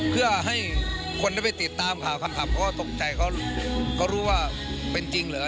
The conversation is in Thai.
เพื่อให้คนได้ไปติดตามเขาก็ตกใจเขาก็รู้ว่าเป็นจริงเหรอ